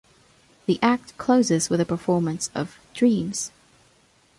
The act closes with a performance of "Dreams".